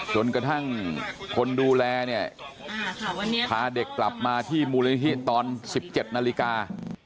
จนกระทั่งคนดูแลเนี่ยพาเด็กกลับมาที่มูลนิธิตอน๑๗นาฬิกา